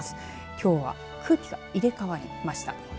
きょうは空気が入れ替わりました。